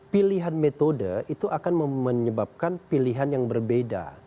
pilihan metode itu akan menyebabkan pilihan yang berbeda